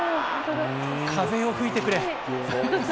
風よ吹いてくれ。